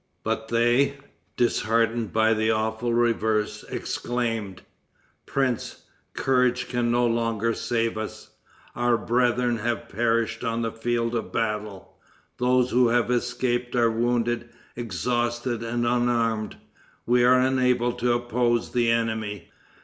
But they, disheartened by the awful reverse, exclaimed: "Prince, courage can no longer save us. Our brethren have perished on the field of battle. Those who have escaped are wounded, exhausted and unarmed. We are unable to oppose the enemy."